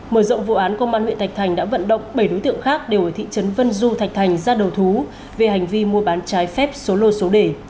mở rộng vụ án công an huyện thạch thành đã vận động bảy đối tượng khác đều ở thị trấn vân du thạch thành ra đầu thú về hành vi mua bán trái phép số lô số đề